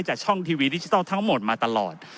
จากช่องทีวีดิจิทัลทั้งหมดมาตลอด